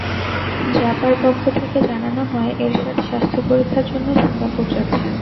জাপার পক্ষ থেকে জানানো হয়, এরশাদ স্বাস্থ্য পরীক্ষার জন্য সিঙ্গাপুর যাচ্ছেন।